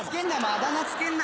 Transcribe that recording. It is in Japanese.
あだ名付けんな！